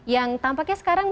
yang tampaknya sekarang